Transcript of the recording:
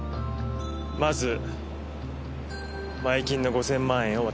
まず前金の５０００万円を渡した。